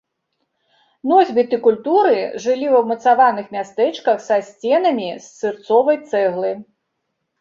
Носьбіты культуры жылі ва ўмацаваных мястэчках са сценамі з сырцовай цэглы.